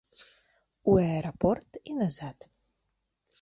У аэрапорт і назад.